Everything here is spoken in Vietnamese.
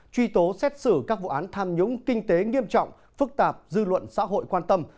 truy tố xét xử các vụ án tham nhũng kinh tế nghiêm trọng phức tạp dư luận xã hội quan tâm